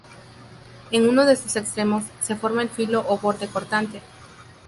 En uno de sus extremos, se forma el filo o borde cortante.